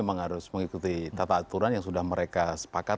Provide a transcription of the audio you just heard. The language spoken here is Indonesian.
memang harus mengikuti tata aturan yang sudah mereka sepakat